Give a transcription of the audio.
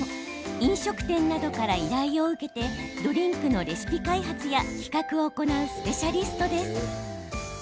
飲食店などから依頼を受けてドリンクのレシピ開発や企画を行うスペシャリストです。